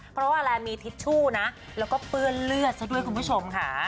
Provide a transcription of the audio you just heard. เพราะว่าอะไรมีทิชชู่นะแล้วก็เปื้อนเลือดซะด้วยคุณผู้ชมค่ะ